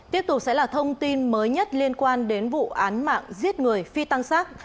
tiếp tục sẽ là thông tin mới nhất liên quan đến vụ án mạng giết người phi tăng sát